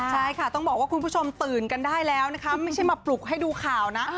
ใช่ค่ะต้องบอกว่าคุณผู้ชมตื่นกันได้แล้วนะคะไม่ใช่มาปลุกให้ดูข่าวนะ